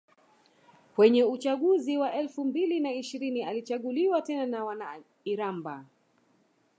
Kwenye uchaguzi wa elfu mbili na ishirini alichaguliwa tena na wana Iramba